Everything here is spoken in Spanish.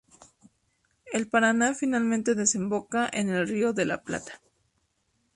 El Paraná finalmente desemboca en el Río de la Plata.